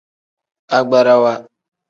Agbarawa.